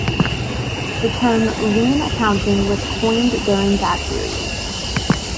The term "lean accounting" was coined during that period.